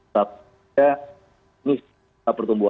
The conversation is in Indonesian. tapi kita ini kita pertumbuhan